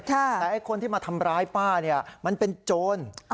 แต่ไอ้คนที่มาทำร้ายป้าเนี่ยมันเป็นโจร